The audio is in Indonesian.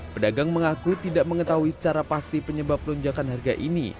pedagang mengaku tidak mengetahui secara pasti penyebab lonjakan harga ini